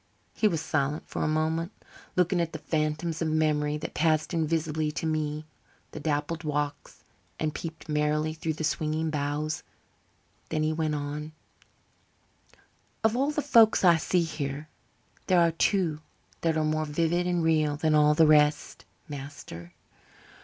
He was silent a moment, looking at the phantoms of memory that paced invisibly to me the dappled walks and peeped merrily through the swinging boughs. Then he went on: "Of all the folks I see here there are two that are more vivid and real than all the rest, master.